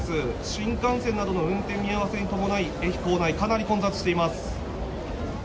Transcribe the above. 新幹線などの運転見合わせに伴い駅構内、かなり混雑しています。